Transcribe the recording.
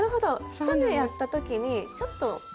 １目やった時にちょっとずらす。